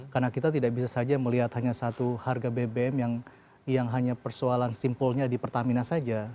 karena kita tidak bisa saja melihat hanya satu harga bbm yang hanya persoalan simpulnya di pertamina saja